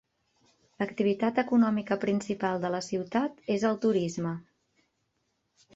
L'activitat econòmica principal de la ciutat és el turisme.